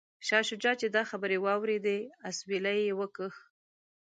شاه شجاع چې دا خبرې واوریدې اسویلی یې وکیښ.